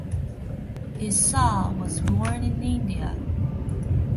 Issar was born in India.